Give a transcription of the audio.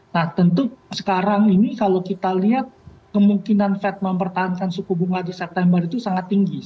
nah tentu sekarang ini kalau kita lihat kemungkinan fed mempertahankan suku bunga di september itu sangat tinggi